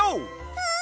うん！